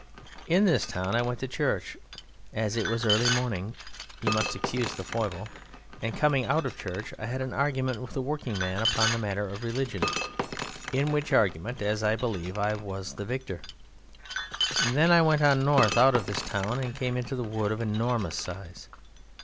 In this town I went to church, as it was early morning (you must excuse the foible), and, coming out of church, I had an argument with a working man upon the matter of religion, in which argument, as I believe, I was the victor. I then went on north out of this town and came into a wood of enormous size.